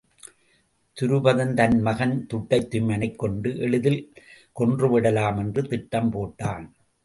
துருபதன் தன் மகன் திட்டத்துய்மனைக் கொண்டு எளிதில் கொன்று விடலாம் என்று திட்டம் போட்டான்.